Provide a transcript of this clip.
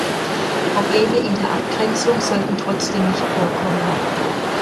Probleme in der Abgrenzung sollten trotzdem nicht vorkommen.